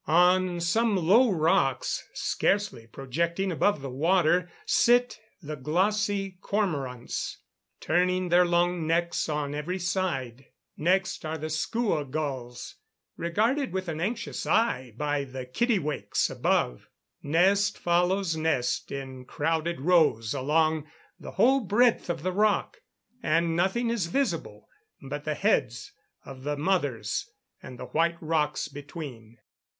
On some low rocks scarcely projecting above the water sit the glossy cormorants, turning their long necks on every side. Next are the skua gulls, regarded with an anxious eye by the kittiwakes above. Nest follows nest in crowded rows along the whole breadth of the rock, and nothing is visible but the heads of the mothers and the white rocks between.